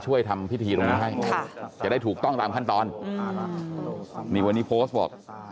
ช่วยทำพิธีลงให้จะได้ถูกต้องตามขั้นตอนมีวันนี้โพสต์บอก